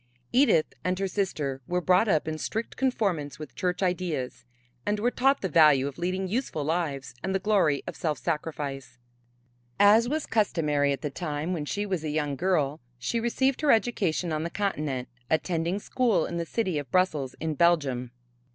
Edith and her sister were brought up in strict conformance with church ideas and were taught the value of leading useful lives and the glory of self sacrifice. As was customary at the time when she was a young girl she received her education on the continent, attending school in the city of Brussels in Belgium.